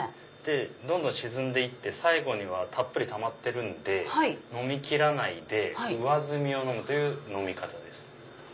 どんどん沈んでいって最後にはたっぷりたまってるんで飲みきらないで上澄みを飲むという飲み方です。